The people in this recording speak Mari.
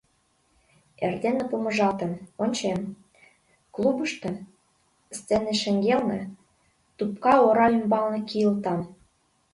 Эрдене помыжалтым, ончем: клубышто, сцене шеҥгелне, тупка ора ӱмбалне кийылтам.